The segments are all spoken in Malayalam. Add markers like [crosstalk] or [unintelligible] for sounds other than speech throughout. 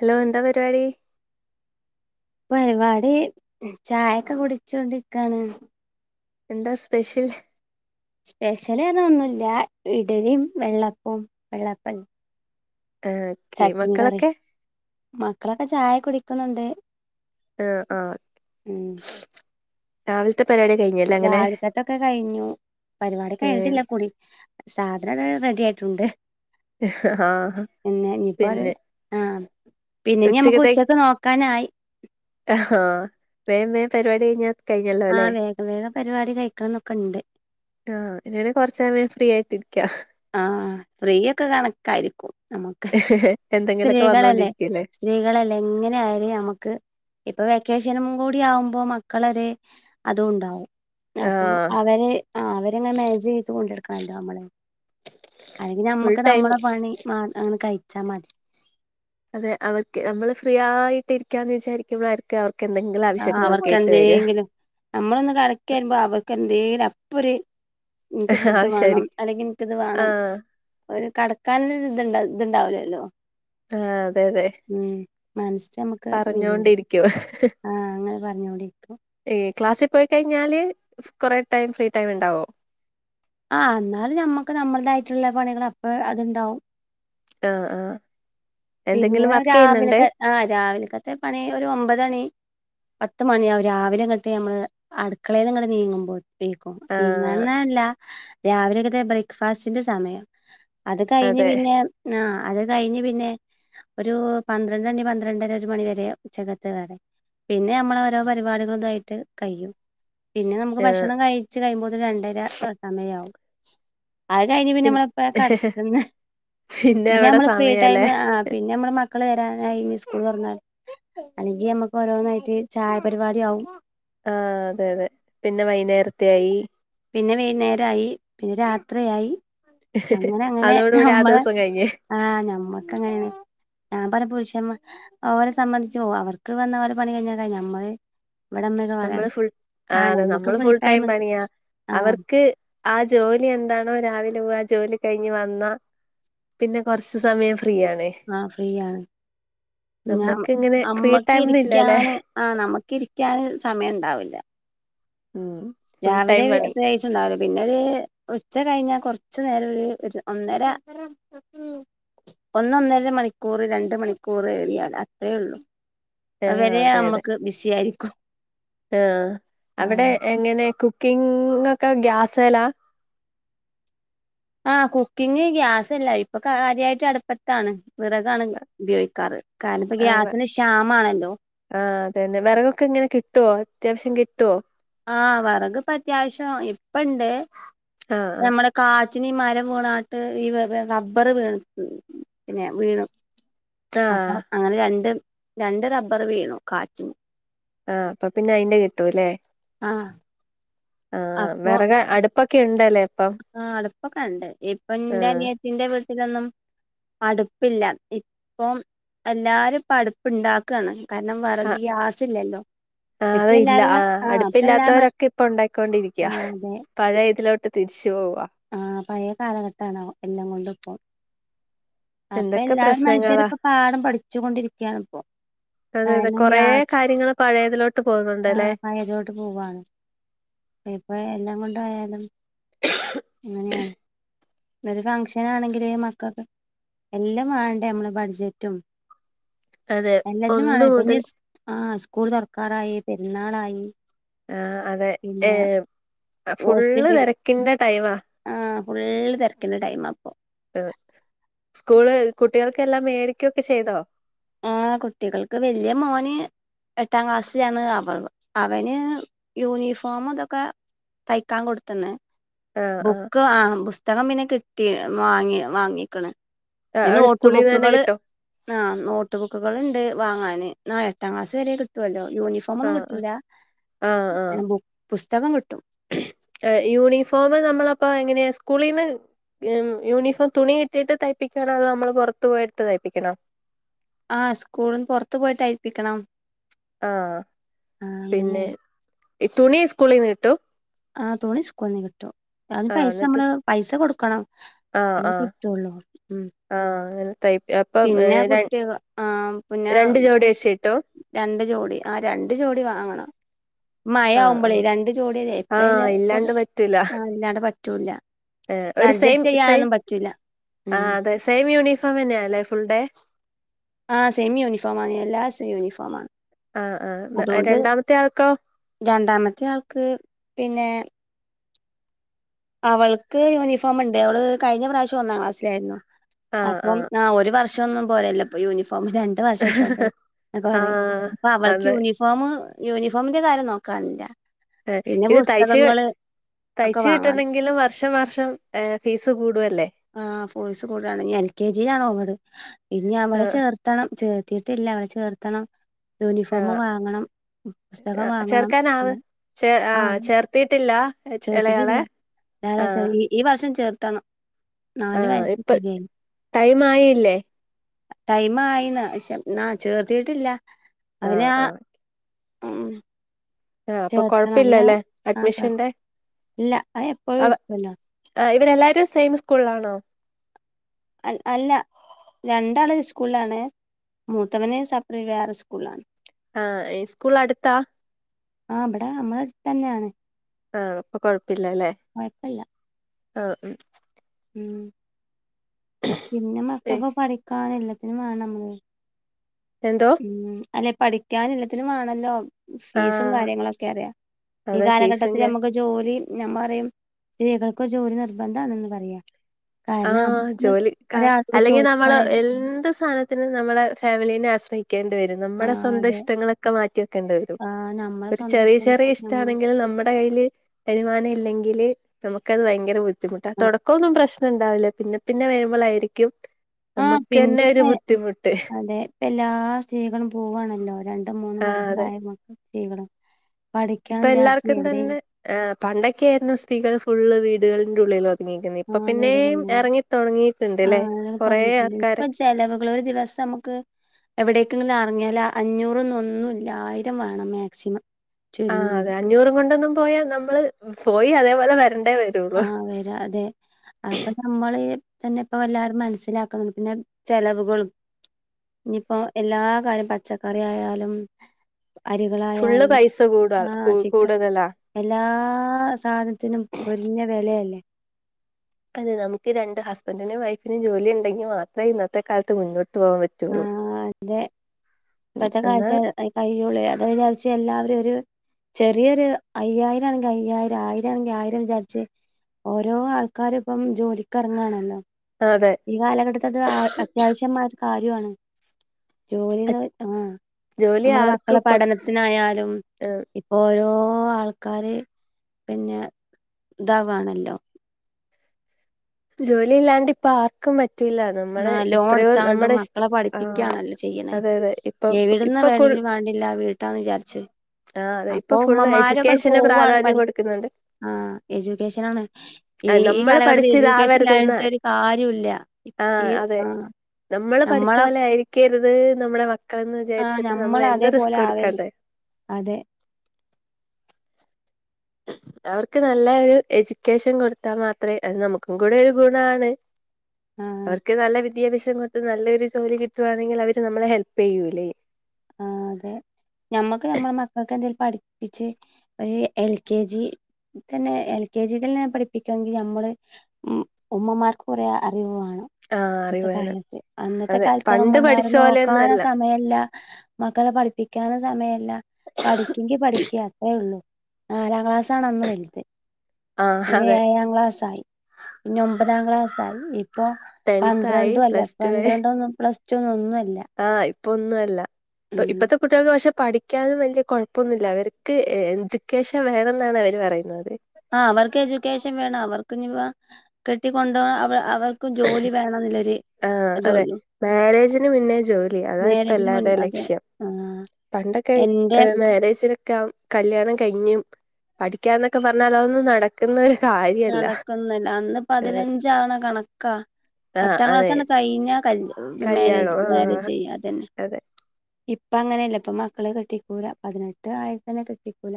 ഹലോ എന്താ പരിപാടി പരിപാടി ചായൊക്കെ കുട്‌ച്ചോണ്ടിരിക്കാണ് എന്താ സ്പെഷ്യൽ സ്പെഷ്യല് പറന്നാ ഒന്നുല്ല ഇടലിം വെള്ളപ്പും വെള്ളപ്പണ്ട് ആഹ് ചട്ട്നി കറിം. മക്കളൊക്കെ ചായ കുടിക്ക്നുണ്ട് ഏഹ് ആഹ് രാവിൽത്തെ പരിപാടിയൊക്കെ കഴിഞ്ഞ്ല്ലെ അങ്ങനെ ഫുടൊക്കെ കഴിഞ്ഞു, പരിപാടി ഏ, കഴിഞ്ഞിട്ടില്ല കുടി സാധനം അവടെ റെഡിയായിട്ടുണ്ട് ആ പിന്നെ ഇഞ്ഞ്പ്പത് പിന്നെ ആഹ് പിന്നെ ഞമ്മക്ക് ഉച്ചക്ക് നോക്കാനായി ആഹ് വേം വേം പരിവാടി കയ്ഞ്ഞാ ആഹ് വേഗം വേഗം പരിപാടി കഴിക്കണന്നൊക്കെണ്ട് ആഹ് അങ്ങനെ കൊറച്ചേരം ഫ്രീ ആയിട്ടിരിക്ക്യാ ആഹ് ഫ്രീ ഒക്കെ കണക്കായിരിക്കും നമുക്ക് എന്തെങ്കിലൊക്കെ സ്ത്രീകളല്ലേ വന്നോണ്ടിരിക്കല്ലേ സ്ത്രീകളല്ലെ എങ്ങനെ ആയാലും ഞമ്മക്ക് ഇപ്പം വെക്കേഷനും കൂടി ആവുമ്പോ മക്കളൊര് അതും ഇണ്ടാവും ആ അപ്പൊ അവരെ ആഹ് അവരെങ്ങനെ മേജെയ്ത് കൊണ്ടടക്കണല്ലോ നമ്മള് അയ്ന് ഫുൾ ഞമ്മക്ക് ടൈം നമ്മുടെ പണി മാ അങ്ങനെ കയ്ച്ചാ മതി അതെ അവര്ക്ക് നമ്മള് ഫ്രീ ആയിട്ടിരിക്കാന്ന് വിചാരിക്കുമ്പളായി ക്കും അവർക്കെന്തെങ്കിലും ആ അവർക്ക് ആവശ്യങ്ങളക്കായിട്ട് വരാ എന്തെങ്കിലും നമ്മളൊന്ന് കടക്കേരുമ്പോ അവക്ക് എന്തേലും അപ്പൊര് ഇൻക്ക് ഫുഡ് വേണം ആവശ്യമായിരിക്കും അല്ലെങ്കി ഇൻക്ക് ഇത് ആ വേണം ഒര് കട്ക്കാനഞ്ഞെ ഒര് ഇത് ഇത്ണ്ടാവൂലല്ലോ ആ അതെ അതെ ഹ്മ്മ് മൻസമ്മക്ക് അപ്പ വരും ക്ക്യോ [inaudible] ആ അങ്ങനെ പറഞ്ഞോണ്ടിരിക്കും ഈ ക്ലാസ്സി പോയി കയ്ഞ്ഞാല് കൊറെ ടൈം ഫ്രീ ടൈംമ്ണ്ടാവോ ആഹ് ഇന്നാലും ഞമ്മക്ക് നമ്മൾതായിട്ട്ള്ള പണികള് അപ്പ അത്ണ്ടാവും ആഹ് ആഹ് എന്തെങ്കിലും വർക്കെയ്യ്ന്ന്ണ്ട് ആഹ് രാവിൽക്കത്തെ പണി ഒരു ഒമ്പതണി പത്ത് മണി ആവും രാവിലെ ങ്ങട്ട് ഞമ്മള് അടുക്കളേന്ന്ങ്ങട്ട് നീങ്ങുമ്പോല് ൻക്കും ആഹ് പിന്നൊന്നല്ല രാവിലൊക്കെത്തെ ബ്രേക്ക്ഫാസ്റ്റിന്റെ സമയം അത് കയ്ഞ് അതെ പിന്നെ ആഹ് അത് കയ്ഞ്ഞ് പിന്നെ ഒരു പന്ത്രണ്ടണി പന്ത്രണ്ടര ഒരു മണി വരെ ഉച്ചക്കത്തെ വേറെ പിന്നെ മ്മള് ഓരോ പരിപാടികളു തായിട്ട് കയ്യും പിന്നെ നമുക്ക് ആഹ് ഭക്ഷണം കയ്ച്ച് കഴിയുമ്പോത്തിന് രണ്ടര ക്കെ സമയാവും അത് കഴിഞ്ഞ് പിന്നെ പിൻ നമ്മള് എപ്പഴാ കട്‌ക്ക്ന്നെ പിന്നെ അവിടെ നമ്മള് ഫ്രീ സമയല്ലേ ടൈമ് ആഹ് പിന്നെ മ്മള് മക്കള് വരാനായി സ്കൂൾ തോർന്നാല് അല്ലെങ്കി മ്മക്ക് ഓരോന്നായിട്ട് ചായപരിപാടി ആവും ആഹ് അതെ അതെ പിന്നെ വൈന്നേരത്തെ ആയി പിന്നെ വൈന്നേരായി പിന്നെ രാത്രിയായി അങ്ങനെ അങ്ങനെ അതോടുകൂടി ആ നമ്മളെ ദിവസം കഴിഞ്ഞ് ആഹ് നമ്മക്കങ്ങനെ ഞാം പറ്ഞ്ഞ പുരുഷമ്മാര് ഓരെ സംബന്ധിച്ച് അവർക്ക് വന്ന ഓലെ പണി കയ്ഞ്ഞാ കയ്ഞ് ഞമ്മള് നമ്മള് ഇവിടെമ്മക്കെപറയാണ് ഫുൾ ആഹ് അതെ ഞമ്മക്ക് നമ്മള് പണി ഫുൾ ടൈം പണിയ അവർക്ക് ക്ക് ആ ജോലി എന്താണോ രാവിലെ പോവ ആ ജോലി കയ്ഞ്ഞ് വന്നാ പിന്നെ കൊറ്ച്ച് സമയം ഫ്രീ ആണ് ആഹ്‌ ഫ്രീയാണ് ഞ നമ്മക്ക് ഇങ്ങനെ ഫ്രീ അമ്മക്ക് ടൈംന്ന് ഇല്ലല്ലേ ഇരിക്കാന് ആഹ്‌ നമക്കിരിക്കാന് സമയണ്ടാവില്ല ഉം ഫുൾ ടൈം രവിലെ പണി ബേ ണ്ടാവൂല പിന്നൊരു ഉച്ച കയ്ഞാ കൊർച്ചു നേരൊരു ഒന്നര ഒന്നൊന്നര മണിക്കൂറ് രണ്ട് മണിക്കൂറേറിയാ അത്രയേള്ളൂ ആഹ് അത്വരെ അതെ അതെ അമ്മക്ക് ബിസിയായിരിക്കും ആഹ് അവിടെ എങ്ങനെ കുക്കിംങ്ങൊക്കെ ഗ്യാസേലാ ആഹ് കുക്കിങ് ഗ്യാസില്ല ഇപ്പൊ കാര്യായിട്ട് അടുപ്പത്താണ് വിറകാണ് ഉപയോഗിക്കാറ് കാരണപ്പൊ ആഹ് ഗ്യാസിന് ക്ഷാമാണല്ലോ ആഹ് അതന്നെ വെറകൊക്കെങ്ങനെ കിട്ടുവോ അത്യാവ്ശ്യം കിട്ടുവോ ആഹ് വെറക്പ്പത്യാവശ്യം ഇപ്പണ്ട് ആഹ് ആഹ് നമ്മടെ കാറ്റിനീ മരം വീണാണ്ട് ഈ റബ്ബറ് വീണക്കും പിന്നെ വീണു അപ്പൊ ആഹ് അങ്ങനെ രണ്ട് രണ്ട് റബ്ബറ് വീണു കാറ്റിന് ആഹ് അപ്പൊ പിന്നയ്ന്റെ കിട്ടൂല്ലേ ആഹ് ആഹ് അപ്പൊ വിറക് അടു പ്പൊക്കെയിണ്ടല്ലേ ആഹ് അടുപ്പൊക്കെണ്ട് ഇപ്പൊ ആഹ് ന്റനി ത്തിന്റെ വീട്ടിലൊന്നും അടുപ്പില്ല ഇപ്പം എല്ലാരുപ്പടു പ്പ് ണ്ടാക്കാണ് കാരണം വറക് ആഹ് ഗ്യാസില്ലല്ലോ ആഹ് അത് ഇല്ല ആഹ് എല്ലാ മ- അടുപ്പില്ലാത്തോരൊക്കിപ്പൊ ണ്ടാക്കിക്കൊണ്ടിരിക്കാ ആ പഴയതിലോട്ട് തിരിച്ചു പോവാ ആഹ് പഴയ കാലഘട്ടാണ് എല്ലാം കൊണ്ടും ഇപ്പം എന്തൊക്കെ അപ്പൊല്ലാവരു പ്രശ്നങ്ങളാ മനുഷ്യരിപ്പ പാഠം പഠിച്ചുകൊണ്ടിരിക്കാണിപ്പൊ അതെയതെ കൊറേ കാര്യങ്ങള് പഴയതിലോട്ട് ആ പോകുന്നുണ്ടല്ലേ പഴയതോട്ട് പോവാണ് ഇപ്പ എല്ലാം കൊണ്ടായാലും എങ്ങനെയാണ് ഒരു ഫംഗ്ഷനാണെങ്കില് മക്കള്ക്ക് എല്ലും വാണ്ടേ അമ്മളെ ബഡ്ജറ്റും അതെ എല്ലത്തിനും ഒന്ന് വാണം മുതൽ ഇപ്പഞ്ഞ് സ് ആഹ് സ്കൂൾ തൊർക്കാറായി പെര്ന്നാളായി ആഹ് അതെ ഏഹ് ഫുള്ള് ഹോസ്പിറ്റൽ തെരക്കിന്റെ ടൈമാ ആഹ് ഫുള്ള് തെരക്കിൻ്റെ ടൈമാപ്പൊ ഏഹ് സ്കൂള് കുട്ടിയള്ക്കെല്ലാം മേടിക്ക്യൊക്കെ ചെയ്തോ ആഹ് കുട്ടികൾക്ക് വെല്ല്യ മോന് എട്ടാ ക്ലാസ്സിലാന്ന് അവള് അവന് യൂനീഫോമും ഇതൊക്കെ തയ്ക്കാൻ കൊട്ത്ത്ന്ന് ബുക്ക് ആഹ് പുസ്തകം പിന്നെ കിട്ടി വാങ്ങി വാങ്ങിക്ക്‌ണ് ആഹ് ഈ അവിടെ നോട്ട് സ്കൂളീന്ന് തന്നെ ബുക്ക്കള് കിട്ടോ? ആഹ് നോട്ട് ബുക്കുകള്ണ്ട് വാങ്ങാന് ന്നാ എട്ടാ ക്ലാസ് വരെ കിട്ടോല്ലോ യൂണി ഫോമൊന്നും ആഹ് ആഹ് കിട്ടൂല ആഹ് ആഹ് ഏഹ് പു പുസ്തകം കിട്ടും ഏഹ് യൂണിഫോമ് നമ്മള് അപ്പോ എങ്ങനെയാ സ്കൂളീന്ന് ഉം യൂണിഫോം തുണി കിട്ടീട്ട് തയ്പ്പിക്കാണോ അതോ അമ്മള് പൊറത്ത് പോയിട്ത്ത് തയ്പ്പിക്കണോ ആഹ് സ്കൂള്ന്ന് പൊറത്ത് പോയി തയ്പ്പിക്കണം ആഹ് ആ പിന്നെ അങ്ങനെയാണ് ഈ തുണി സ്കൂളിന്ന് കിട്ടും ആഹ് തുണി സ്കൂളിന്ന് കി ട്ടും ആദ്യം ആഹ് പൈസ എന്നിട്ട് അമ്മള് പൈസ കൊടുക്കണം ആഹ് അല്ലെങ്കി ആഹ് കിട്ടൊള്ളു ഉം ആഹ് അങ്ങനെ തയ് അപ്പം പിന്നെ ഏഹ് ര കുട്ടിക ആ പിന്നെ രണ്ട് ജോഡി വെച്ച് കിട്ടും രണ്ട് ജോഡി ആഹ് രണ്ട് ജോഡി വാങ്ങണം ആഹ് മഴയാവുമ്പളേ ആഹ് രണ്ട് ജോഡില്ലേ ഇപ്പയെല്ല ആഹ് ഇപ്പത് ഇല്ലാണ്ട് പറ്റൂല ആഹ് ഇല്ലാണ്ടെ പറ്റൂല ഏഹ് ഒരു സെയിം സെയിം ഉം ആഹ് അതെ സെയിം യൂനിഫോമെന്നാല്ലേ ഫുൾ ഡേ ആഹ് സെയിം യൂനിഫോമാണ് എല്ലാസും യൂനിഫോമാ ആഹ് ആഹ് മേ ഏഹ് രണ്ടാമത്തെയാൾക്കോ രണ്ടാമത്തെയാൾക്ക് പിന്നെ അവൾക്ക് യൂനിഫോമ്ണ്ട് അവള് കഴിഞ്ഞ പ്രാവശ്യം ഒന്നാം ക്ലാസ്സിലാരുന്നു അപ്പം ആഹ് ഒരു വർഷൊന്നും പോരല്ലോ ഇപ്പം യൂനിഫോമ് ര ണ്ട് വർഷം ഇട്ടോട്ടെ ആഹ് അപ്പം പറിയും അപ്പം അവൾക്ക് അതെ യൂനി ഫോമ് യൂനിഫോമിന്റെ കാര്യം നോക്കാന്ല്ലാ ഏഹ് ഇത് തയ്ച്ച് ഒക്കെ വാങ്ങാൻ തയ്ച്ച്ട്ടെണങ്കിലും വർഷം വർഷം ഏഹ് ഫീസ് കൂടുവല്ലേ ആഹ് ഫോയ്സ് കൂടാണ് ഇഞ്ഞ് എൽ കെ ജി ലാണ് ഓവർ ഇനി ഞാൻ പറിയാ ആഹ് ചേർ ത്തണം ചേർത്തിട്ടില്ല അവളെ ചേർത്തണം യൂനിഫോമ് ആഹ് വാങ്ങണം ഉം പുസ്തകം വാങ്ങണം ഇല്ല ചേർ ആഹ് ചേർത്തിട്ടില്ല ഏഹ് എളയാളെ ആഹ് ത്താച്ചാല് ഈ ഈ വർഷം ചേർത്തണം നാല് ആഹ് വയസ്സ് ഇപ്പെ ടൈമായില്ലേ ഏഹ് ടൈമായിന്ന് പക്ഷേന്നാ ചേർത്തീട്ടില്ല അവന് ആഹ് ആ ആഹ് ഉം ആഹ് അപ്പൊ ചേർത്തണം പിന്നെ കൊഴപ്പില്ലല്ലേ ആഹ് കൊഴ അഡ്മിഷന്റെ ഇല്ലാ അഹ് എപ്പഴും അവ എട്ക്കുവല്ലോ ആഹ് ഇവരെല്ലാരും സെയിം സ്കൂള്ലാണോ അൽ അല്ല രണ്ടാള് സ്കൂള്ലാണ് മൂത്തവന് സപ്പറേറ്റ് വേറെ സ്കൂള്ലാണ് ആഹ് ഏഹ് സ്കൂള് അട്ത്താ ആഹ് ഇബടെ അമ്മളെ അട്ത്തന്ന്യാണ് ആഹ് അപ്പൊ കൊഴപ്പയില്ലാല്ലേ കൊഴപ്പല്ല ആഹ് ഉം പിന്നെ ഏ, മക്കക്ക് പഠിക്കാന് എല്ലത്തിനും വേണം [unintelligible] എന്തോ? ഉം അല്ലെ പഠിക്കാനും എല്ലാത്തിനും വേണല്ലോ ഫീസും ആഹ് കാര്യങ്ങളൊക്കെ അറിയാം ഈ അതെ ഫീസും കാ കാലഘട്ടത്തിലമ്മക്ക് ജോലി ഞാൻ പറയാ സ്ത്രീകൾക്ക് ഒര് ജോലി നിർബന്ധാണെന്ന് പറയാ കാരണം ആഹ് നമുക്ക് ജോലിക്കാ ഒരാളോട് അല്ലെങ്കിൽ നമ്മള് ചോദിക്കുവാണേലും എന്ത് സാന ത്തിനും നമ്മളെ ഫാമിലിനെ ആശ്രയിക്കേണ്ടി വരും ആ നമ്മടെ സ്വന്തം അതെ ഇഷ്ടങ്ങളൊക്കെ മാറ്റി ക്കെണ്ടി വരും ആ നമ്മളെ ഒരു സ്വന്തം ചെറിയ ചെറിയ ഇഷ്ടങ്ങൾക്കൊക്കെ നമ്മള് ഇഷ്ടണെങ്കിൽ നമ്മടെ കൈയില് വരുമാന ഇല്ലെങ്കില് നമുക്കത് ഭയങ്കര ബുദ്ധിമുട്ടാ ആ തൊടക്കൊന്നു പ്രശ് ഉണ്ടാവില്ലാ പിന്നെ പിന്നെ വരുമ്പളായിരിക്കും ആ, നമ്മുക്കന്നെ ഒരു ബുദ്ധിമുട്ട് ഇപ്പെല്ലാ സ്ത്രീകളും പോവാണല്ലോ രണ്ട് രണ്ടും മൂന്നും ആഹ് അതെ മക്കളായ [unintelligible] സ്ത്രീകളും പഠിക്കാന്ന് ഇപ്പൊ വിചാരിച്ച് എല്ലാർക്കും എവിടെ തന്നെ ആഹ് പണ്ടൊക്കെ ആയിരുന്നു സ്ത്രീകള് ഫുള്ള് വീടുകളിന്റെയുള്ളിലൊത് ണീക്കുന്നെ ആ ഇപ്പൊ പിന്നേം വീടുകളിൽ എറങ്ങിത്തൊടങ്ങിയിട്ട്ണ്ട്ല്ലേ കൊറേ ആൾക്കാര് ചെലവുകള് ഒരു ദിവസം നമക്ക് എവിടേക്കെങ്ക് ഒന്നെറെങ്ങിയാല് അഞ്ഞൂറ് ഒന്നും ഒന്നുല്ലാ ആയിരം വേണം മാക്സിമം ആഹ് അതെ ചുരുങ്ങിയത് അഞ്ഞൂറും കൊണ്ടൊന്നും പോയാ നമ്മള് പോയി അതേപോലെ വരേണ്ടേ വരും ആഹ് വെരാ അതെ അപ്പ നമ്മ നമ്മള് തന്നെ ഇപ്പ എല്ലാരും മനസ്സിലാക്കുന്നത് പിന്നെ ചെലവുകളും ഇഞ്ഞിയിപ്പോ എല്ലാകാര്യം പച്ചക്കറിയായാലും ഫുള്ള് അരികളായാലും പൈസ കൂടാ കൂ ആഹ് ചിക്കൻ കൂടുതലാ. എല്ലാ സാനത്തിനും പൊരിഞ്ഞ വെലയല്ലേ അതെ നമുക്ക് രണ്ട് ഹസ്ബൻഡിനും വൈഫിനും ജോലി ഉണ്ടെങ്കി മാത്രേ ഇന്നത്തെ കാലത്ത് മുന്നോട്ട് പോവാൻ പറ്റൊള്ളൂ ഇപ്പഴ്ത്തെ കാലത്തെ അ കയ്യോളെ അത് വിചാരിച്ച് എല്ലാവരും ഒര് ചെറിയൊരു അയ്യായിരാണെങ്കി അയ്യായിരം ആയിരം ആണെങ്കി ആയിരം വിചാരിച്ച് ഓരോ ആൾക്കാരു ഇപ്പം ജോലിക്കെറങ്ങാണല്ലോ ആഹ് അതെ ഈ കാലഘട്ടത്ത് അത് അ അത്യാവശ്യമായൊരു കാര്യോ ആണ് ജോലീന്ന് അ- പറ ആഹ് ജോലി നമ്മള ആർക്കും മക്കളെ ഇപ്പം പഠനത്തിനായാലും ഏഹ് ഇപ്പൊ ഓരോ ആൾക്കാര് പിന്നെ ഇതാവാണല്ലോ ജോലി ഇല്ലാണ്ട് ഇപ്പ ആർക്കും പറ്റില്ലാത് ആഹ് ലോൺ എടുത്താണ്ടും മക്കളെ ആഹ് പഠിപ്പിക്കാണല്ലോ ചെയ്യണെ അതെ അതെ ഇപ്പൊ എവിടുന്ന് ഇപ്പൊ കുൾ വേണെങ്കിലും വേണ്ടില്ലാ വീട് ട്ടാന്ന് വിചാരിച്ച് ആഹ് അതെ ഇപ്പൊ അപ്പൊ ഫുള്ള് ഉമ്മമാരൊക്കെട് എഡ്യൂക്കേഷന് പോവാണ് പ്രാധാന്യം പടി കൊടുക്കുന്നുണ്ട്. ആഹ് എജ്യൂക്കേഷനാണ് ആ, ഈ ഈ നമ്മള് കാലഘട്ടത്തി എജ്യൂക്കേഷൻ പഠിച്ചിതാവരുതെന്ന് ഇല്ലാഞ്ഞിട്ട് ഒരു കാര്യോല്ലാ ആഹ് അതെ നമ്മള് പഠിച്ച നമ്മളെ പോലെ ആയിരിക്കരുത് നമ്മടെ മക് മക്കളെന്ന് ആഹ് വിചാരിച്ചിട്ട് നമ്മള് എന്ത് നമ്മളതേപോലെ റിസ്കും എടുക്കാൻ ആവരുത് തയാ അതെ അവർക്ക് നല്ല ഒരു എഡ്യൂക്കേഷൻ കൊടുത്താ മാത്രേ അത് നമക്ക് ക്കും കൂടെ ഒരു ഗുണാണ് ആഹ് അവർക്ക് നല്ല വിദ് വിദ്യാഭ്യാസം കൊട്ത്ത് നല്ലൊരു ജോലി കിട്ടുവാണെങ്കി അവര് നമ്മളെ ഹെൽപ്പ് ചെയ്യൂല്ലേ ആഹ് അതെ ഞമ്മക്ക് ഞമ്മടെ മക്കക്ക് എന്തെലും പഠിപ്പിച്ച് ഒരു എൽ കെ ജി തന്നെ എൽ കെ ജിലെന്നെ പഠിപ്പിക്കണെങ്കി ഞമ്മള് ഉം ഉമ്മമാർക്ക് കൊറേ അറിവാണ് ആ ഇന്നത്തെ അറിവാണ് കാലത്ത് അന്നത്തെ അതെ പണ്ട് കാലത്ത്മ്മമാര് പഠിച്ച നോക്കാനോ പോലെയൊന്നുംല്ല സമയല്ല മക്കളെ പഠിപ്പിക്കാനു സമയല്ല പഠിക്കങ്കി പഠിക്ക അത്രേ ഉള്ളൂ നാലാം ക്ലാസ് ആണ് അന്ന് വൽത് ആ പിന്നെ അതെ ഏഴാം ക്ലാസ് ആയി പിന്നെ ഒമ്പതാം ക്ലാസ്സ ആയി ഇപ്പൊ ടെൻത്ത് ആയി പന്ത്രണ്ടും അല്ല പ്ലസ് പന്ത്രണ്ട ഒന്നും പ്ലസ് റ്റൊന്നു ഒന്നു അല്ല ആഹ് ഇപ്പൊന്നും അല്ല ഇപ്പ ഇപ്പത്തെ കുട്ടിയാൾക്ക് പക്ഷെ പഠി ക്കാനും വലിയ കുഴപ്പൊന്നുല്ല അവർക്ക് എജ്യുക്കേഷൻ വേണെന്നാണ് അവര് പറയുന്നത് ആ അവർക്ക് എജ്യുക്കേഷൻ വേണം അവർക്ക് നിപ്പൊ കെട്ടിക്കൊണ്ടോണം അപ്പ അവർ ക്കും ജോലി വേണം ന്ന്ല്ലൊര് ആഹ് അതെ മാരേജിന് മുന്നേ ജോലി അതാ ഇപ്പ മാരേജിന് എല്ലാര്തെ മുന്നേ അതെ ലക്ഷ്യം ആ പണ്ടൊക്കെ എന്റെ ഏഹ് മാരേജിനൊക്കെ കല്യാണം കഴിഞ്ഞും പഠിക്കാ എന്നൊക്കെ പറഞ്ഞാൽ അതൊന്ന് നട ക്കുന്ന ഒരു കാര്യല്ല ഏഹ് ചാണ കണ ക്ക ആഹ് പത്താം അതെ ക്ലാസാണ് കഴിഞ്ഞ കല് കല്യാണം മാരേജ് മാരേജ് ആഹ് ചെയ്യ അതന്നെ അതെ ഇ ഇപ്പ അങ്ങനെയല്ല ഇപ്പ മക്കളെ കെട്ടിക്കൂല പതിനെട്ട് ആയ തന്നെ കെട്ടിക്കൂല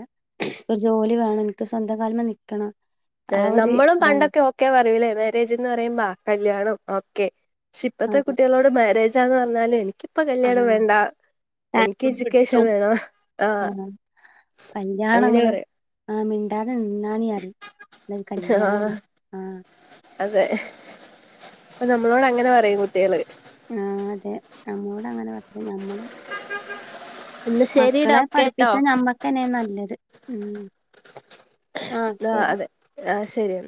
ഒരു ജോലി വേണം സ്വന്തം കാലിമ്മേ നിക്കണം ദേ ആ ഒരു നമ്മളും ഇതാണ് പണ്ടൊക്കെ ക്കെ പറയൂലേ മാരേജ് എന്ന് പറയുമ്പ ആഹ് കല്യാണം ഓക്കെ പക്ഷെ ഇപ്പഴത്തെ ആഹ് കുട്ടിയാളോട് പ്പ മാരേജാന്ന് പറഞ്ഞാല് എനിക്കിപ്പ കല്യാണം വേണ്ട എനിക്ക് ആഹ് എജ്യൂക്കേഷൻ കിട്ടും വേണ് ആ ആഹ് അങ്ങനെ കല്യാണങ്ങള് പറയാ ആഹ് മിണ്ടാതെ നിന്നാണീ അറിം [unintelligible] കല്യാണം ആഹ് ആ അതെ ഇപ്പൊ നമ്മളോട് അങ്ങനെ പറയും കുട്ടിയാള് അതെ നമ്മോട് അങ്ങനെ പറഞ്ഞ നമ്മളും എന്നാ ശരിടാ മക്കളെ ഓക്കെ ട്ടോ പഠിപ്പിച്ചാ നമ്മക്കന്നെ നല്ലത് ഉം ആഹ് അതെ ആഹ് ശരിയ